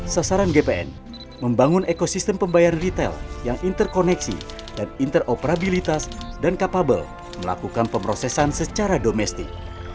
sasaran gpn membangun ekosistem pembayaran retail yang interkoneksi dan interoperabilitas dan capable melakukan pemrosesan secara domestik